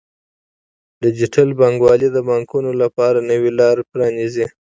ډیجیټل بانکوالي د پانګونې لپاره نوې لارې پرانیزي.